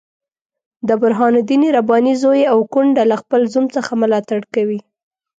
د برهان الدین رباني زوی او کونډه له خپل زوم څخه ملاتړ کوي.